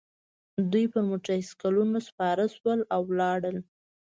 دوی په موټرسایکلونو سپاره شول او لاړل